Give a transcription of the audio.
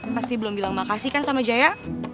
pasti belum bilang makasih kan sama jaya